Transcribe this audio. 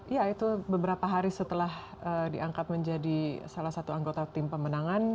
ya itu beberapa hari setelah diangkat menjadi salah satu anggota tim pemenangan